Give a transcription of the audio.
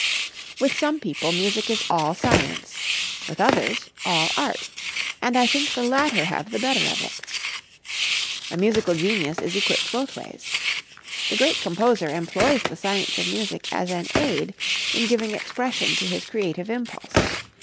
With some people music is all science, with others all art, and I think the latter have the better of it. A musical genius is equipped both ways. The great composer employs the science of music as an aid in giving expression to his creative impulse.